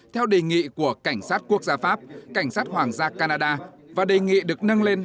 theo đề nghị của cảnh sát quốc gia pháp cảnh sát hoàng gia canada và đề nghị được nâng lên